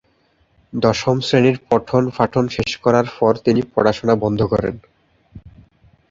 দশম শ্রেণির পঠন-পাঠন শেষ করার পর, তিনি পড়াশোনা বন্ধ করেন।